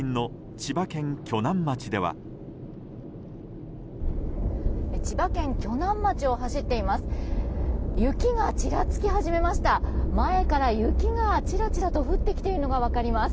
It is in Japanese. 千葉県鋸南町を走っています。